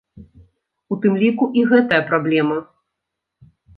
У тым ліку і гэтая праблема.